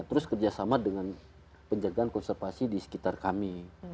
terus kerjasama dengan penjagaan konservasi di sekitar kami